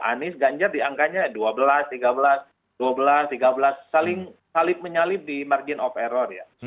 anies ganjar di angkanya dua belas tiga belas dua belas tiga belas saling salib menyalip di margin of error ya